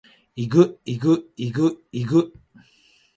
ｲｸﾞｲｸﾞｲｸﾞｲｸﾞ